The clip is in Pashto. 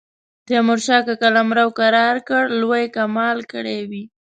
تیمورشاه که قلمرو کرار کړ لوی کمال کړی وي.